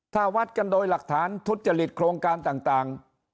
ถ้าวัดกันโดยหลักฐานทุจริตโครงการต่าง